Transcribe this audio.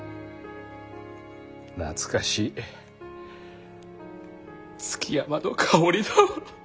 懐かしい築山の香りだわ。